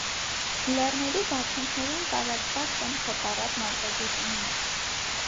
Լեռներու բարձունքներուն տարածուած են խոտառատ մարգագետիններ։